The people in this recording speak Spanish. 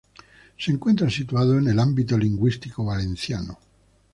Se encuentra situada en el ámbito lingüístico valenciano.